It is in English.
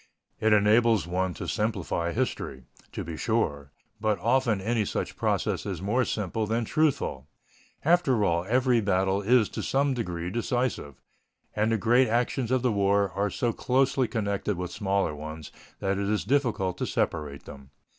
It enables one to simplify history, to be sure, but often any such process is more simple than truthful. After all, every battle is to some degree decisive, and the great actions of the war are so closely connected with smaller ones that it is difficult to separate them.